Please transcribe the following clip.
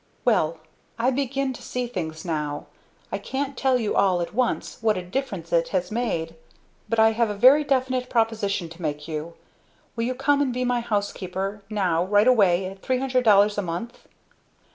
Well, I begin to see things now. I can't tell you all at once what a difference it has made; but I have a very definite proposition to make to you. Will you come and be my housekeeper, now right away at a hundred dollars a month?"